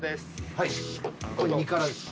はいこれ２辛ですか？